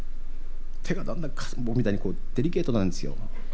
手がだんだん僕みたいにデリケートなんですよ。